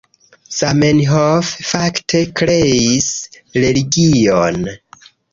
Zamenhof fakte kreis religion.